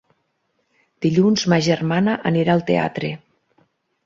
Dilluns ma germana anirà al teatre.